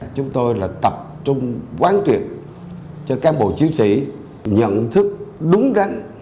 chúng tôi là tập trung quán tuyệt cho các bộ chiến sĩ nhận thức đúng đắn